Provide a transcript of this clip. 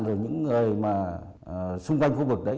rồi những người mà xung quanh khu vực đấy